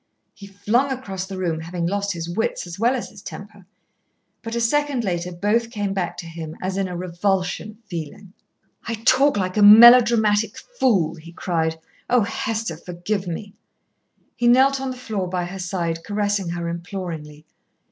He flung across the room, having lost his wits as well as his temper. But a second later both came back to him as in a revulsion of feeling. "I talk like a melodramatic fool," he cried. "Oh, Hester, forgive me!" He knelt on the floor by her side, caressing her imploringly.